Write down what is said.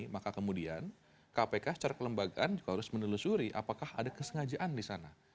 maka kemudian kpk secara kelembagaan juga harus menelusuri apakah ada kesengajaan di sana